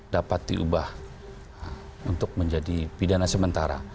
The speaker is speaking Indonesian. dapat diubah untuk menjadi pidana sementara